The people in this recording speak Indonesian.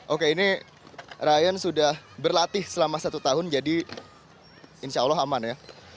oke ini ryan sudah berlatih selama satu tahun jadi insya allah aman ya